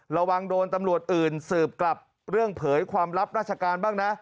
ระวังโดนตำรวจอื่นสืบกลับเรื่องเผยความลับราชการบ้างนะ